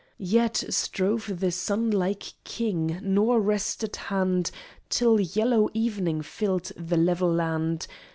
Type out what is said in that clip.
Yet strove the sun like king, nor rested hand Till yellow evening filled the level land.